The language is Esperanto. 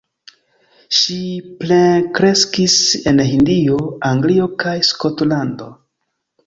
Ŝi plenkreskis en Hindio, Anglio kaj Skotlando.